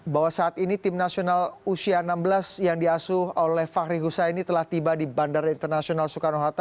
bahwa saat ini tim nasional usia enam belas yang diasuh oleh fahri husaini telah tiba di bandara internasional soekarno hatta